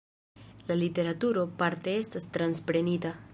La literaturo parte estas transprenita.